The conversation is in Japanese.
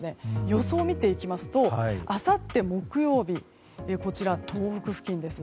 予想を見ていきますとあさって木曜日東北付近です。